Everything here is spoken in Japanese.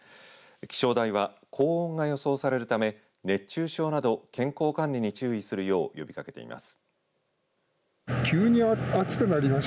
気象台は高温が予想されるため熱中症など健康管理に注意するよう呼びかけています。